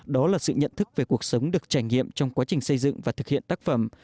đó là sự nhận thức về cuộc sống được trải nghiệm trong quá trình xây dựng và thực hiện tác phẩm